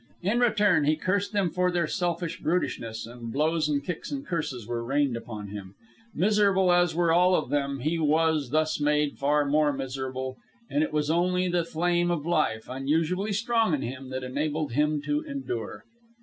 In return, he cursed them for their selfish brutishness, and blows and kicks and curses were rained upon him. Miserable as were all of them, he was thus made far more miserable; and it was only the flame of life, unusually strong in him, that enabled him to endure.